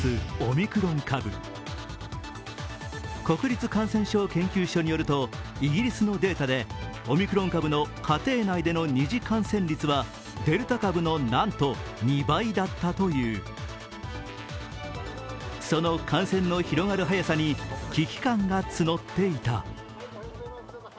国立感染症研究所によるとイギリスのデータでオミクロン株の家庭内での二次感染率はデルタ株のなんと２倍だったというその感染の広がる速さに危機感が募っていた。